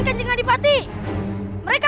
kita harus kita lelaki tidur melaban